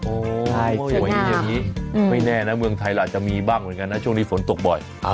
สวยอย่างนี้ไม่แน่นะเมืองไทยเราอาจจะมีบ้างเหมือนกันนะช่วงนี้ฝนตกบ่อย